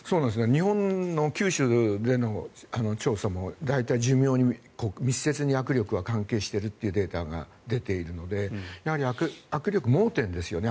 日本の九州での調査も大体、寿命に密接に握力は関係しているというデータが出ているのでやはり握力、盲点ですよね。